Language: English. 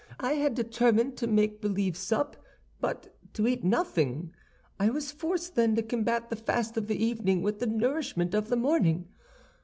I had determined to make believe sup, but to eat nothing. I was forced, then, to combat the fast of the evening with the nourishment of the morning.